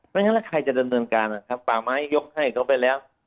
ไม่งั้นถ้าใครจะดำเนินการป่าไม้ยกให้เขาไปแล้ว